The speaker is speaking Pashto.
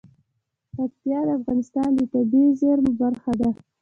پکتیا د افغانستان د طبیعي زیرمو برخه ده.